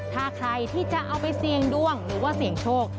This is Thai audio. ถ้าใครที่จะเอาไปเสี่ยงดวงหรือว่าเสี่ยงโชค